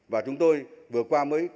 và chúng tôi vừa qua mới